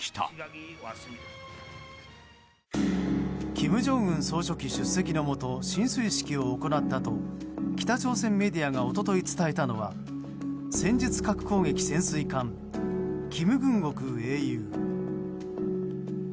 金正恩総書記出席のもと進水式を行ったと北朝鮮メディアが一昨日伝えたのは戦術核攻撃潜水艦「キムグンオク英雄」。